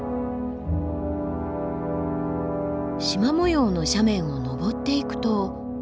しま模様の斜面を登っていくと。